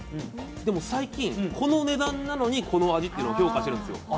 でも、最近、この値段なのにこの味というのを評価してるんですよ。